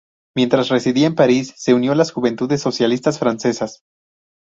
Mientras residía en París se unió a las Juventudes socialistas francesas.